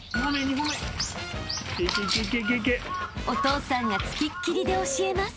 ［お父さんがつきっきりで教えます］